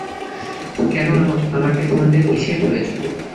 কেন, আমাকে তোমাদের কিসের প্রয়োজন?